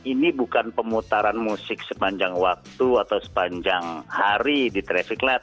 ini bukan pemutaran musik sepanjang waktu atau sepanjang hari di traffic light